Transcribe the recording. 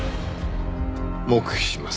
黙秘します。